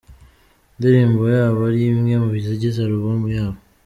ndirimbo yabo ari imwe mu zigize alubumu yabo.